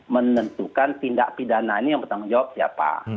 menentukan tindak pidana ini yang bertanggung jawab siapa